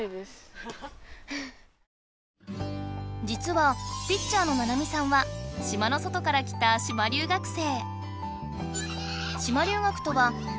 じつはピッチャーのななみさんは島の外から来た島留学生。